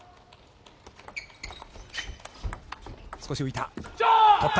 少し浮いた。